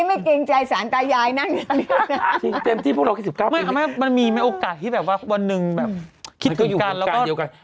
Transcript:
มันมีเนี่ยโอกาสที่แบบวันหนึ่งมันคิดขึ้นกัน